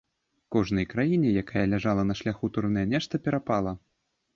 Кожнай краіне, якая ляжала на шляху турне, нешта перапала.